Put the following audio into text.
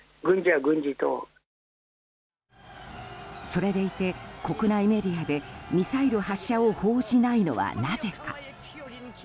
それでいて、国内メディアでミサイル発射を報じないのはなぜか。